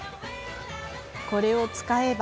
これを使えば。